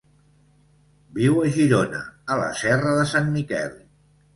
Viu a Girona, a la serra de Sant Miquel.